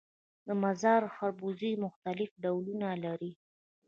د مزار خربوزې مختلف ډولونه لري